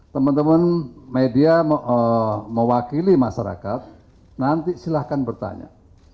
teman teman media mewakili masyarakat nanti silahkan bertanya